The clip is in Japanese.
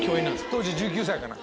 当時１９歳かな。